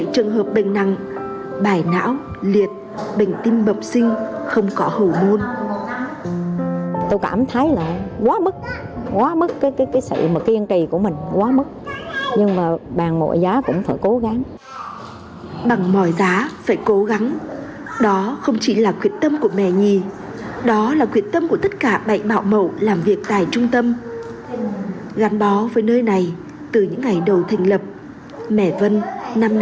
thế nghĩ mình nghĩ ra